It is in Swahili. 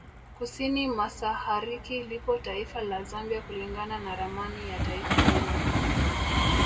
Kusini masahariki lipo taifa la Zambia kulingana na ramani ya Taifa hilo